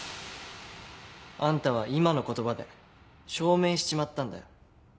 あんたは今の言葉で証明しちまったんだよ。